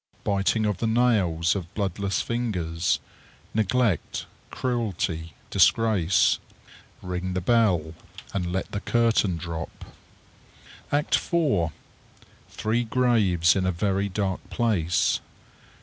Biting of the nails of bloodless fingers. Neglect, cruelty, disgrace. Ring the bell, and let the curtain drop_. ACT IV. _Three graves in a very dark place.